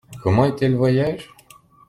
Comment était le voyage ?